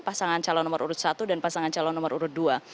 pasangan calon nomor urut satu dan pasangan calon nomor urut dua